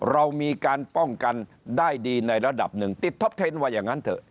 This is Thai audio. เรามีการป้องกันได้ดีในระดับหนึ่งติดท็อปเทนต์ว่าอย่างนั้นเถอะ